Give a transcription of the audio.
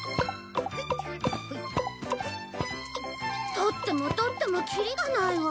とってもとってもキリがないわ。